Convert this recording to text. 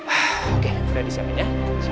oke sudah disiapin ya